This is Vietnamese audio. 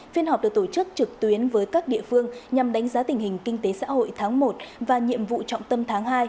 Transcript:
phiên họp được tổ chức trực tuyến với các địa phương nhằm đánh giá tình hình kinh tế xã hội tháng một và nhiệm vụ trọng tâm tháng hai